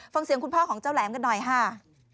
ฟังเสียงคุณพ่อของเจ้าแหลมกันหน่อยค่ะ